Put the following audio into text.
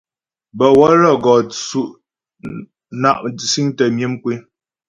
Bâ wə́lə́ gɔ tsʉ' na' siŋtə myə mkwé.